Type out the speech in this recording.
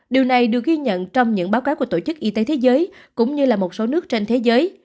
điều này được ghi nhận trong những báo cáo của tổ chức y tế thế giới cũng như là một số nước trên thế giới